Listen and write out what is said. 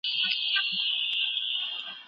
او پیسې یې ترلاسه کولې